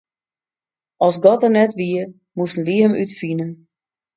As God der net wie, moasten wy Him útfine.